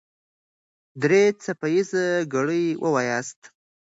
درې څپه ايزه ګړې وواياست.